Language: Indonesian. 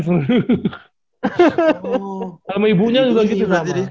sama ibunya juga gitu